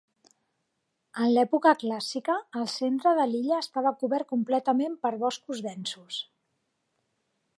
En l'època clàssica el centre de l'illa estava cobert completament per boscos densos.